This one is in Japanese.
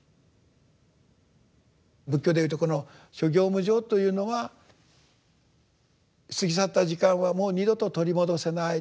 仏教で言うとこの「諸行無常」というのは過ぎ去った時間はもう二度と取り戻せない。